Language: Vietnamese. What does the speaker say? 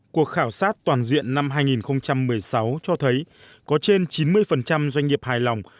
cuộc khảo sát toàn diện năm hai nghìn một mươi sáu cho thấy có trên chín mươi doanh nghiệp hài lòng